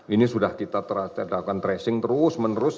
ini sudah kita lakukan tracing terus menerus